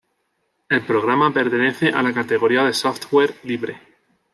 El programa pertenece a la categoría de software libre.